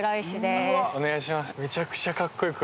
お願いします。